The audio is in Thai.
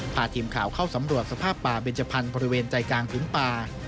พาทีมข่าวเข้าสำรวจสภาพป่าเบนจพันธุ์บริเวณใจกลางพื้นป่า